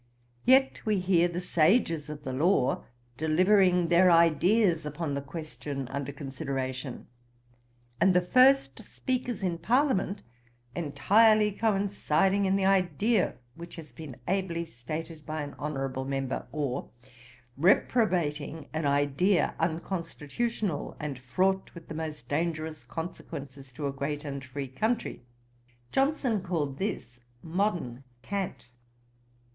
Yet we hear the sages of the law 'delivering their ideas upon the question under consideration;' and the first speakers in parliament 'entirely coinciding in the idea which has been ably stated by an honourable member;' or 'reprobating an idea unconstitutional, and fraught with the most dangerous consequences to a great and free country.' Johnson called this 'modern cant.'